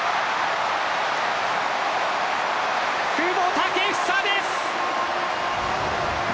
久保建英です！